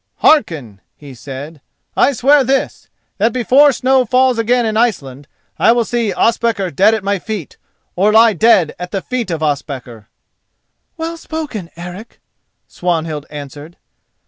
"Hearken," he said: "I swear this, that before snow falls again in Iceland I will see Ospakar dead at my feet or lie dead at the feet of Ospakar." "Well spoken, Eric," Swanhild answered.